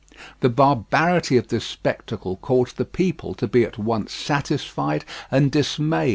The barbarity of this spectacle caused the people to be at once satisfied and dismayed.